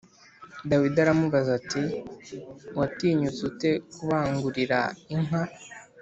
Dawidi aramubaza ati watinyutse ute kubangurira inka